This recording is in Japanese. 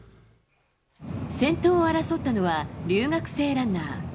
先頭を争ったのは留学生ランナー。